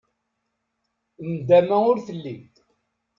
Nndama ur telli.